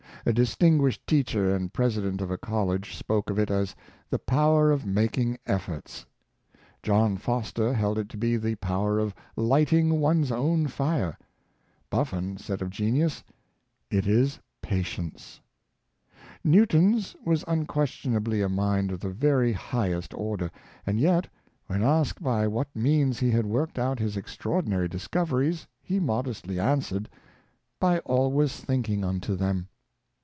A distinguished teacher and president of a college spoke of it as the power of making efibrts. John Foster held it to be the power of lighting one's own fire, Bufibn said of genius, *' it is patience." Newton's was unquestionably a mind of the very highest order, and yet, when asked by what means he had worked out his extraordinary discoveries, he mod estly answered, '^ by always thinking unto them."